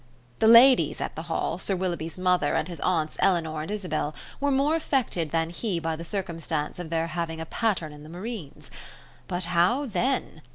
The ladies at the Hall, Sir Willoughby's mother, and his aunts Eleanor and Isabel, were more affected than he by the circumstance of their having a Patterne in the Marines. But how then!